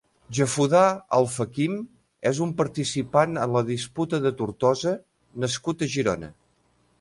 Jafudà Alfakim és un participant en la Disputa de Tortosa nascut a Girona.